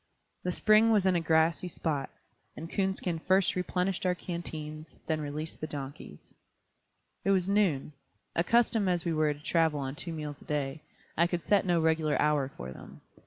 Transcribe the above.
The spring was in a grassy spot, and Coonskin first replenished our canteens, then released the donkeys. It was noon. Accustomed as we were to travel on two meals a day, I could set no regular hour for them.